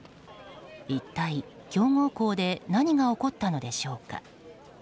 一体、強豪校で何が起こったのでしょうか。